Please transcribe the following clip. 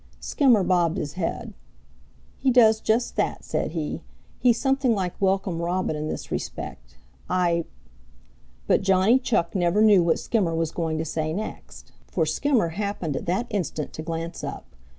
Skimmer bobbed his head. "He does just that," said he. "He's something like Welcome Robin in this respect. I " But Johnny Chuck never knew what Skimmer was going to say next, for Skimmer happened at that instant to glance up.